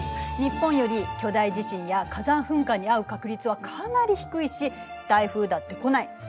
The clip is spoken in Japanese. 日本より巨大地震や火山噴火に遭う確率はかなり低いし台風だって来ない。